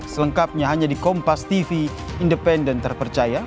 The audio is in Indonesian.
selengkapnya hanya di kompas tv independen terpercaya